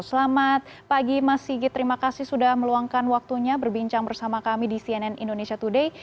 selamat pagi mas sigit terima kasih sudah meluangkan waktunya berbincang bersama kami di cnn indonesia today